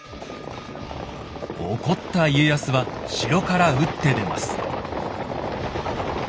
怒った家康は城から打って出ます。